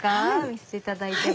見せていただいて。